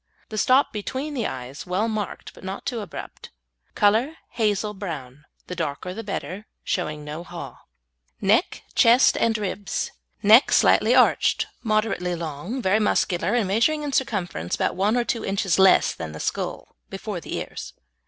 The stop between the eyes well marked, but not too abrupt. Colour hazel brown, the darker the better, showing no haw. NECK, CHEST AND RIBS Neck Slightly arched, moderately long, very muscular, and measuring in circumference about one or two inches less than the skull before the ears.